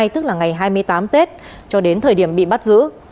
tức là ngày hai mươi tám tết cho đến thời điểm bị bắt giữ